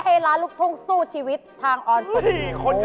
ให้ละลุกทุกสู้ชีวิตทางออนซิน